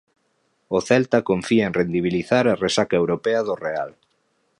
O Celta confía en rendibilizar a resaca europea do Real.